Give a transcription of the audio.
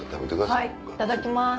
はいいただきます。